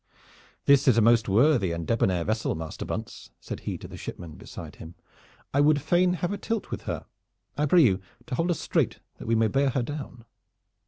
"This is a most worthy and debonair vessel, Master Bunce," said he to the shipman beside him. "I would fain have a tilt with her. I pray you to hold us straight that we may bear her down."